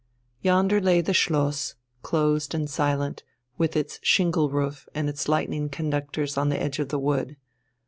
Yonder lay the Schloss, closed and silent, with its shingle roof and its lightning conductors on the edge of the wood.